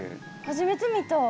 初めて見た。